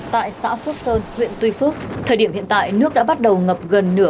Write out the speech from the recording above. tại xã phước sơn huyện tuy phước thời điểm hiện tại nước đã bắt đầu ngập gần nửa